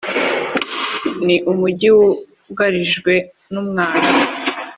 . Ni umujyi wugarijwe. Numwanda